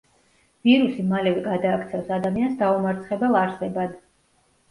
ვირუსი მალევე გადააქცევს ადამიანს დაუმარცხებელ არსებად.